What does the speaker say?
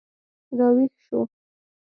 راویښ شو